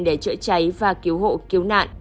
để chữa cháy và cứu hộ cứu nạn